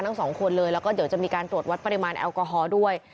ทั้งสองคนเลยแล้วก็เดี๋ยวจะมีการตรวจวัดปริมาณแอลกอฮอล์ด้วย